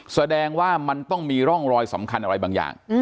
แสดงว่ามันต้องมีร่องรอยสำคัญอะไรบางอย่าง